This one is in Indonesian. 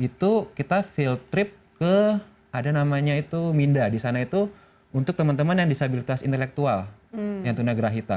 itu kita field trip ke ada namanya itu minda di sana itu untuk teman teman yang disabilitas intelektual yang tunagrahita